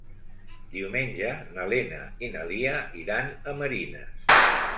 Diumenge na Lena i na Lia iran a Marines.